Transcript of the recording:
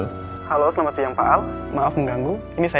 thanks for thena bem bliru atau apalagi untuk anjaninate